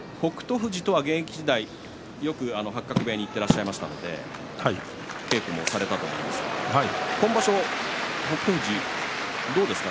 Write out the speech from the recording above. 富士とは現役時代よく八角部屋に行ってらっしゃいましたので稽古をされたと思いますが今場所、北勝富士どうですか？